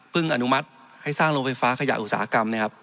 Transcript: พึ่งอนุมัติให้สร้างลงไฟฟ้าขยะอุตสาหกรรม